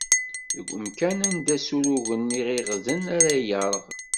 Deg umkan anda ssurugen iɣiɣden ara yerɣ.